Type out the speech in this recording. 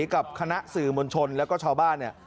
กับคณะสื่อมวลชนแล้วก็ชาวบ้านเนี่ย